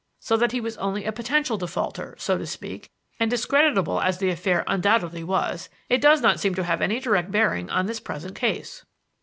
So that he was only a potential defaulter, so to speak; and discreditable as the affair undoubtedly was, it does not seem to have any direct bearing on this present case."